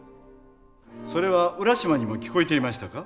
それは浦島にも聞こえていましたか？